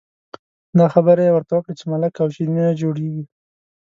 دا خبره یې ورته وکړه چې ملک او چینی نه جوړېږي.